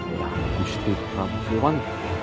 ayahanda gusti prabu siwanto